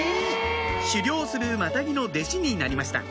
狩猟をするまたぎの弟子になりました